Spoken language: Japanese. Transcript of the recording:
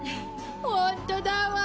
本当だわ！